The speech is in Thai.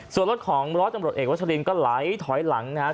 ส่วนรถของร้อยตำรวจเอกวัชลินก็ไหลถอยหลังนะครับ